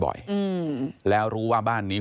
อืมแล้วรู้ว่าบ้านนี้